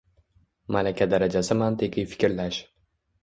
Malaka darajasi mantiqiy fikrlash